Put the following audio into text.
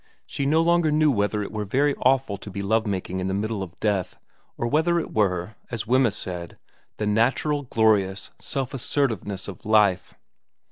She no longer knew whether it were very awful to be love making in the middle of death, or whether it were, as Wemyss said, the natural glorious self assertiveness of life.